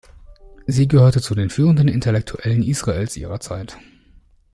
Sie gehörte zu den führenden Intellektuellen Israels ihrer Zeit.